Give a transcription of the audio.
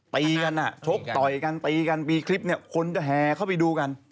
ตีกันชกต่อยกันตีกันปีคลิปคนจะแห่เข้าไปดูกัน